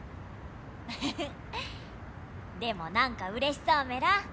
フフフッでもなんかうれしそうメラ。